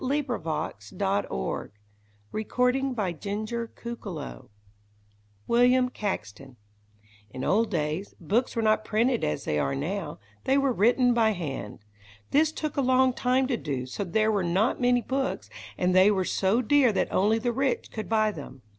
[Illustration: The Robber brings help to Queen Margaret] =William Caxton= In old days, books were not printed as they are now; they were written by hand. This took a long time to do, so there were not many books, and they were so dear that only the rich could buy them.